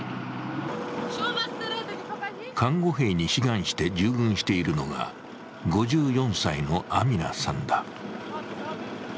看護兵に志願して従軍しているのが５４歳のアミナさんだ。